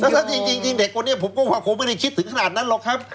แล้วจริงเด็กคนนี้ผมก็ว่าคงไม่ได้คิดถึงขนาดนั้นหรอกครับ